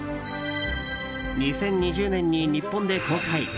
２０２０年に日本で公開。